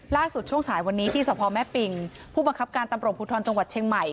ช่วงสายวันนี้ที่สพแม่ปิงผู้บังคับการตำรวจภูทรจังหวัดเชียงใหม่